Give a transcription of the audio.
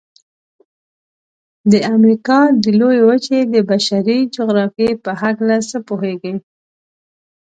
د امریکا د لویې وچې د بشري جغرافیې په هلکه څه پوهیږئ؟